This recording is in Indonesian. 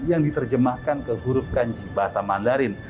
yang diterjemahkan ke huruf kanji bahasa mandarin